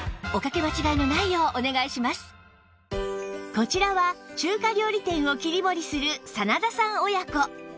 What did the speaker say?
こちらは中華料理店を切り盛りする真田さん親子